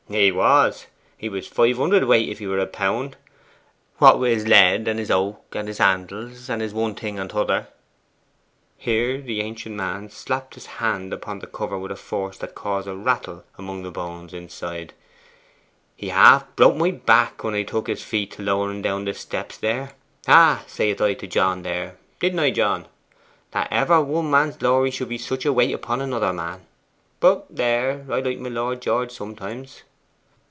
'He was. He was five hundredweight if 'a were a pound. What with his lead, and his oak, and his handles, and his one thing and t'other' here the ancient man slapped his hand upon the cover with a force that caused a rattle among the bones inside 'he half broke my back when I took his feet to lower en down the steps there. "Ah," saith I to John there didn't I, John? "that ever one man's glory should be such a weight upon another man!" But there, I liked my lord George sometimes.